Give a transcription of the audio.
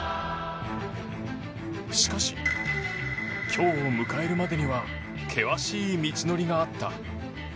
しかし、今日を迎えるまでには険しい道のりがあった。